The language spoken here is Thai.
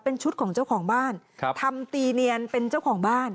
เป็นชุดของเจ้าของบ้านครับทำตีเนียนเป็นเจ้าของบ้าน